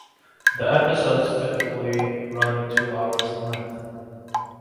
The episodes typically run two hours in length.